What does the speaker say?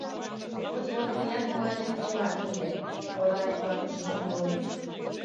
— Вот-вот, тыяк мыланем кӱлат ыле, — ойла умбакыже становой.